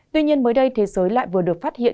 tuy nhiên mới đây thế giới lại vừa được phát hiện